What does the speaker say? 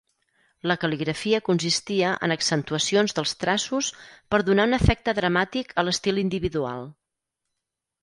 La cal·ligrafia consistia en accentuacions dels traços per donar un efecte dramàtic a l'estil individual.